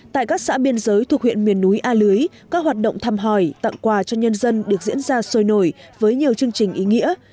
tại các xã biên giới thuộc huyện miền núi a lưới các hoạt động thăm hỏi tặng quà cho nhân dân được diễn ra sôi nổi với nhiều chương trình ý nghĩa